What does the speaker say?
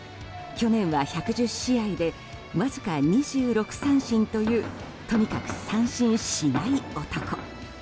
去年は１１０試合でわずか２６三振というとにかく三振しない男。